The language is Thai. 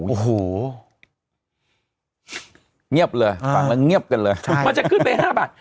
โอ้โหเงียบเลยฝั่งมันเงียบกันเลยใช่มันจะขึ้นเป็นห้าบาท